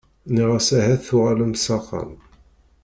Nniɣ-as ahat tuɣalemt s axxam.